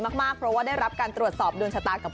อย่างแรกเลยก็คือการทำบุญเกี่ยวกับเรื่องของพวกการเงินโชคลาภ